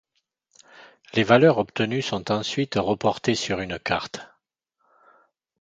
Les valeurs obtenues sont ensuite reportées sur une carte.